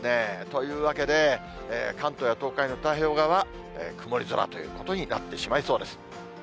というわけで、関東や東海の太平洋側、曇り空ということになってしまいそうです。